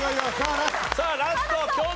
さあラスト京都！